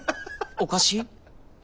おかしい？